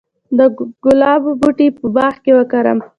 د ګلابو بوټي په باغ کې وکرم؟